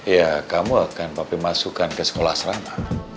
ya kamu akan papi masukkan ke sekolah serama